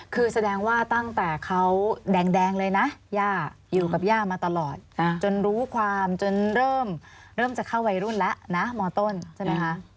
คือแสดงว่าตั้งแต่เขาแดงเลยนะย่าอยู่กับย่ามาตลอดจนรู้ความจนเริ่มจะเข้าวัยรุ่นแล้วนะมต้นใช่ไหมคะ